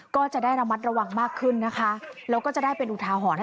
ก็จะได้ระมัดระวังมากขึ้นนะคะแล้วก็จะได้เป็นอุทาหรณ์